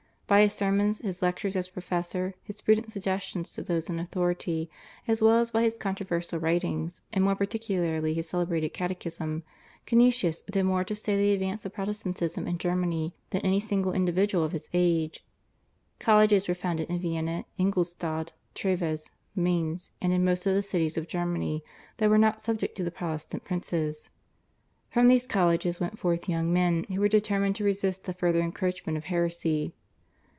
By his sermons, his lectures as professor, his prudent suggestions to those in authority, as well as by his controversial writings, and more particularly his celebrated Catechism, Canisius did more to stay the advance of Protestantism in Germany than any single individual of his age. Colleges were founded in Vienna, Ingoldstadt, Treves, Mainz, and in most of the cities of Germany that were not subject to the Protestant princes. From these colleges went forth young men who were determined to resist the further encroachments of heresy.